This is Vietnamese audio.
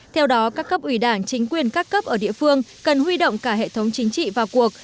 theo đó các cấp ủy đảng chính quyền các cấp ở địa phương cần huy động cả hệ thống chính trị vào cuộc